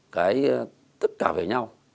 cái tất cả về nhau